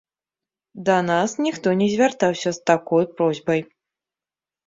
Да нас ніхто не звяртаўся з такой просьбай.